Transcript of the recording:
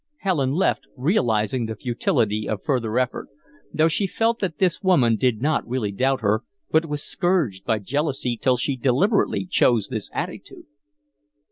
Helen left, realizing the futility of further effort, though she felt that this woman did not really doubt her, but was scourged by jealousy till she deliberately chose this attitude.